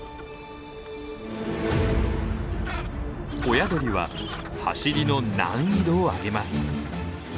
親鳥は走りの難易度を上げます。